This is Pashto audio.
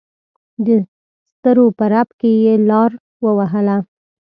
دسترو په رپ کې یې لار ووهله.